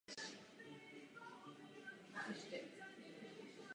V Protektorátu Čechy a Morava sloužil jako strážník na policejním okrsku ve Vítkovicích.